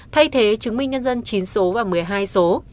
thay thế chứng minh nhân dân chín số và một mươi hai số